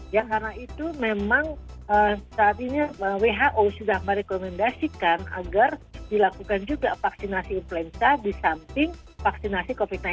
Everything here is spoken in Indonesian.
ya karena itu memang saat ini who sudah merekomendasikan agar dilakukan juga vaksinasi influenza di samping vaksinasi covid sembilan belas